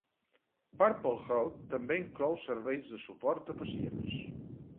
Purple Health també inclou serveis de suport a pacients.